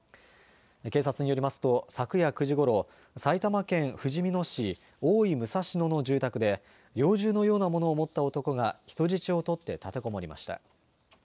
警察によりますと、昨夜９時ごろ、埼玉県ふじみ野市大井武蔵野の住宅で、猟銃のようなものを持った男が、人質を取って立てこもりました。